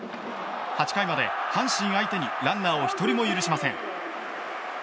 ８回まで阪神相手にランナーを１人も許しません。